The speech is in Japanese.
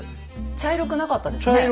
茶色くなかったですね。